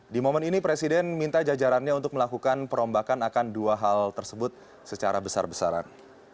di momen ini presiden minta jajarannya untuk melakukan perombakan akan dua hal tersebut secara besar besaran